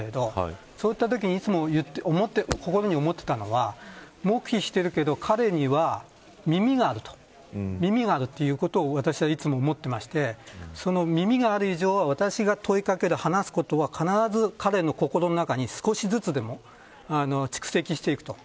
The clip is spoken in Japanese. そういったときに、いつも心に思っていたのが黙秘してるけど彼には耳がある耳があるということを私は、いつも思っていまして耳がある以上、私が問いかける話すことは必ず彼の心の中に少しずつでも蓄積していくと。